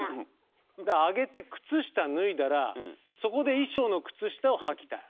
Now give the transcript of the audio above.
だから上げて靴下脱いだらそこで衣装の靴下をはきたい。